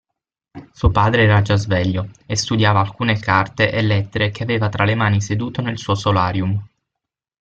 Suo padre era già sveglio, e studiava alcune carte e lettere che aveva tra le mani seduto nel suo solarium.